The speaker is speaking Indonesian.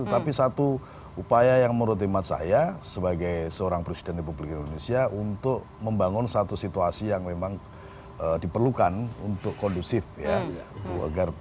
tetapi satu upaya yang menurut imat saya sebagai seorang presiden republik indonesia untuk membangun satu situasi yang memang diperlukan untuk kondusif ya